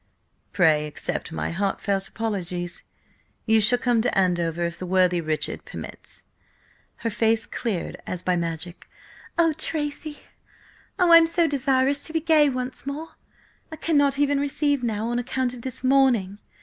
"Pray, accept my heartfelt apologies! You shall come to Andover if the worthy Richard permits." Her face cleared as by magic. "Oh, Tracy! Oh, I am so desirous to be gay once more! I cannot even receive now, on account of this mourning!